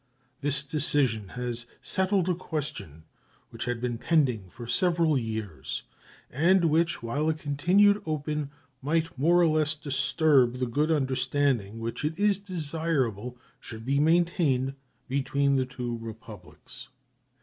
This decision has settled a question which had been pending for several years, and which, while it continued open, might more or less disturb the good understanding which it is desirable should be maintained between the two Republics.